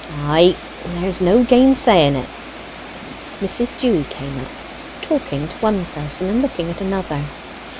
"Ay, there's no gainsaying it." Mrs. Dewy came up, talking to one person and looking at another.